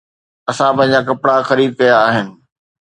اسان پنهنجا ڪپڙا خريد ڪيا آهن